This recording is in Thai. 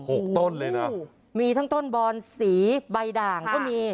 กต้นเลยนะโอ้โหมีทั้งต้นบอนสีใบด่างก็มี